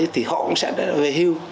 thì họ cũng sẽ về